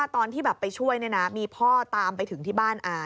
ตอนที่ไปช่วยละนะพ่อไปช่วยที่บ้านอา